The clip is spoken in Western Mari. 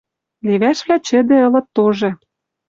Левӓшвлӓ чӹдӹ ылыт тоже —